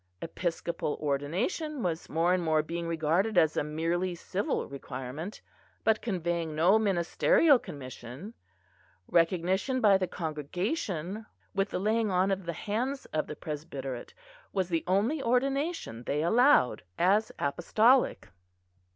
Episcopal Ordination was more and more being regarded as a merely civil requirement, but conveying no ministerial commission; recognition by the congregation with the laying on of the hands of the presbyterate was the only ordination they allowed as apostolic.